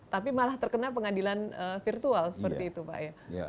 tapi malah terkena pengadilan virtual seperti itu pak ya